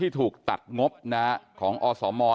ถูกตัดงบของอสม